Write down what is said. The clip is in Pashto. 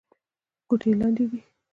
ګوتې لنډې دي.